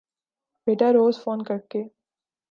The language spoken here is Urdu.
بیٹا روز فون کر کے